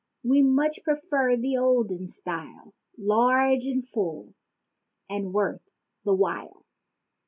We much prefer the olden style—large and full and worth the while.